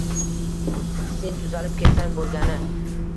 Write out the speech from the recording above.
Sen tuzalib ketsang bo`lgani